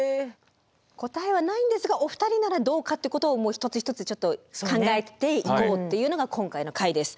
答えはないんですがお二人ならどうかっていうことを一つ一つちょっと考えていこうっていうのが今回の回です。